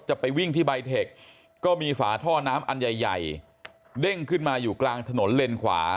จะไปวิ่งที่ใบเทคก็มีฝาท่อน้ำอันใหญ่ใหญ่เด้งขึ้นมาอยู่กลางถนนเลนขวา